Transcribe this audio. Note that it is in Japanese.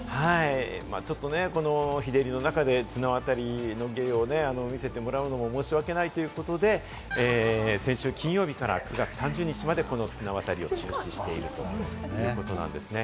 ちょっとね、日照りの中で綱渡りの芸を見せてもらうのも申し訳ないということで、先週金曜日から９月３１日まで、この綱渡りを中止しているということなんですよ。